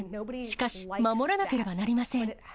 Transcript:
しかし、守らなければいけません。